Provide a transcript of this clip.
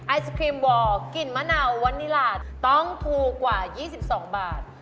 ไอศครีมวอร์กลิ่นมะนาววันนิราชต้องถูกกว่า๒๒บาท